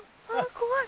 怖い。